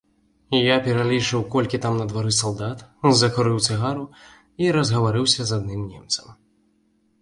Я пералічыў, колькі там на двары салдат, закурыў цыгару і разгаварыўся з адным немцам.